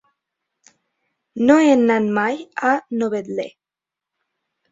No he anat mai a Novetlè.